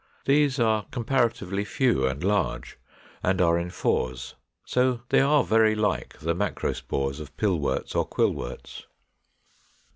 These are comparatively few and large, and are in fours; so they are very like the macrospores of Pillworts or Quillworts.